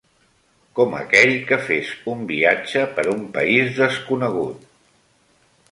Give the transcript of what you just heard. Com aquell que fes un viatge per un país desconegut.